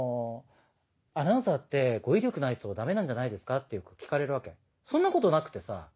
「アナウンサーって語彙力ないとダメなんじゃないですか？」ってよく聞かれるわけそんなことなくてさ。